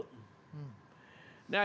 nah ada yang mengatakan